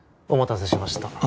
お待たせしました。